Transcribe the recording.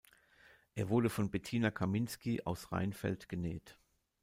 Er wurde von Bettina Kaminski aus Reinfeld genäht.